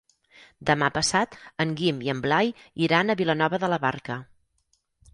Demà passat en Guim i en Blai iran a Vilanova de la Barca.